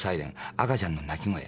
赤ちゃんの泣き声。